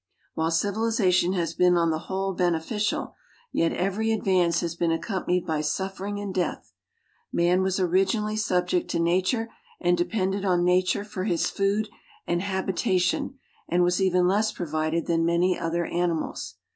While civilization has been on the whole beneficial, yet every advance has been accompanied by suffering and death. Man was originally sub ject to nature and depended on nature for his food and habitation, and was even less provided than many other animals.